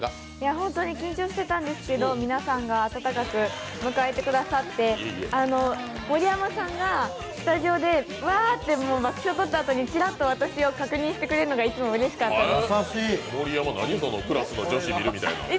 本当に緊張していたんですけれど皆さんが温かく迎えてくださって盛山さんがスタジオで、わーっと爆笑をとったあとにちらっと私を確認してくれるのがいつもうれしかったです。